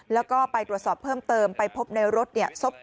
แล้วก็ไปตรวจสอบเพิ่มเติมไปพบในรถ